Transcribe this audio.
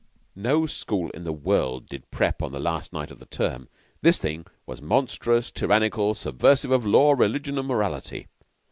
No school in the world did prep. on the last night of the term. This thing was monstrous, tyrannical, subversive of law, religion, and morality.